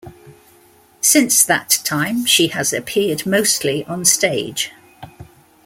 Since that time she has appeared mostly on stage.